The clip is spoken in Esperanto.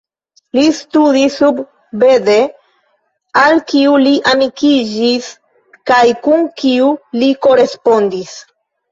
Li studis sub Bede, al kiu li amikiĝis kaj kun kiu li korespondis.